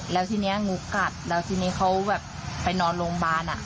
แล้วทีนี้งูกัดแล้วทีนี้เขาแบบไปนอนโรงพยาบาล